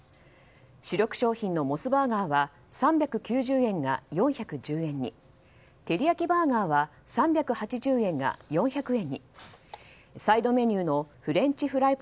主力商品のモスバーガーは３９０円が４１０円にテリヤキバーガーは３８０円が４００円にサイドメニューのフレンチフライ